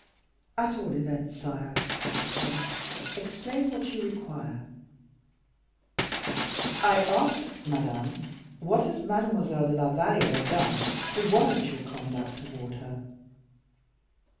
"At all events, sire," she said, "explain what you require." "I ask, madame, what has Mademoiselle de la Valliere done to warrant your conduct toward her?"